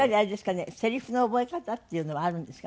せりふの覚え方っていうのはあるんですか？